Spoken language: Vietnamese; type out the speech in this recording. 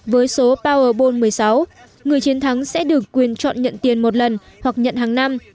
với số powerbone một mươi sáu người chiến thắng sẽ được quyền chọn nhận tiền một lần hoặc nhận hàng năm